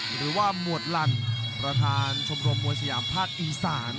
หรือว่าหมวดลันประธานชมรมมวยสยามภาคอีสาน